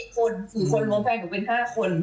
คน๔คนรวมแฟนหนูเป็น๕คน